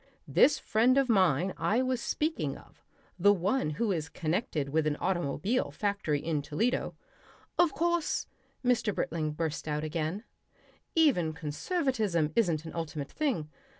This friend of mine I was speaking of, the one who is connected with an automobile factory in Toledo " "Of course," Mr. Britling burst out again, "even conservatism isn't an ultimate thing.